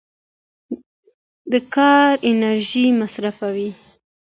د کار انرژي مصرفوي.